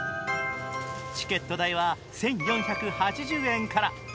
チケット代は１４８０円から。